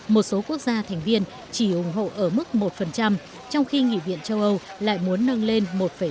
một số quốc gia thành viên chỉ ủng hộ ở mức một trong khi nghị viện châu âu lại muốn nâng lên một ba mươi